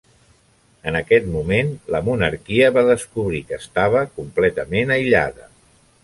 En aquest moment, la monarquia va descobrir que estava completament aïllada.